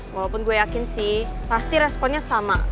walaupun gue yakin sih pasti responnya sama